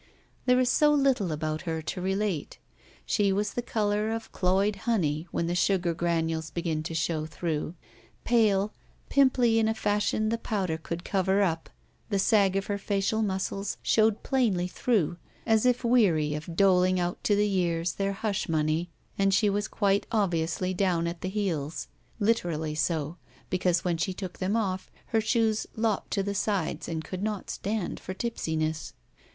There is so little about her to relate. She was the color of cloyed honey when the sugar granules begin to show through. Pale, pimply in a fashion the pow der could cover up, the sag of her facial muscles showed plainly through, as if weary of doling out to the years their hush money, and she was quite 271 ROULETTE obviously down at the heds. Literally so, because ^dien she took them off, her shoes lopped to the sides and oould not stand for tipsiness.